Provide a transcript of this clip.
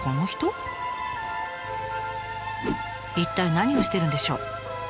一体何をしているんでしょう？